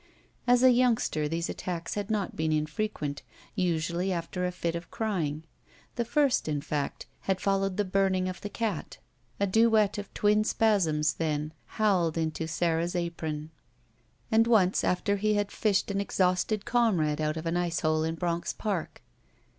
As a yoimgster these attacks had not been infre quent, usually after a fit of crying. The first, in fact, had followed the burning of the cat; a duet of twin spasms then, howled into Sara's apron. 253 ROULETTE And once after he had fished an exhausted comrade out of an ice hole in Bronx Park.